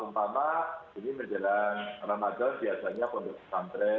umpama ini menjelang ramadan biasanya pondok pesantren